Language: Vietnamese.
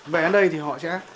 về đây thì họ sẽ